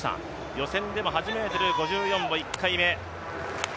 予選でも８ｍ５４の１回目。